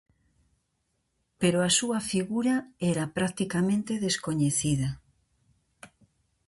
Pero a súa figura era practicamente descoñecida.